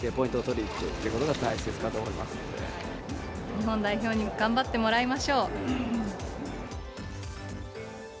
日本代表に頑張ってもらいましょう。